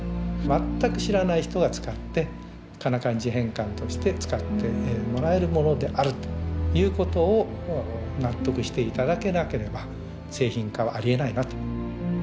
全く知らない人が使ってかな漢字変換として使ってもらえるものであるということを納得して頂けなければ製品化はありえないなと。